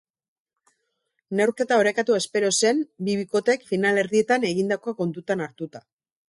Neurketa orekatua espero zen, bi bikoteek finalerdietan egindakoa kontuan hartuta.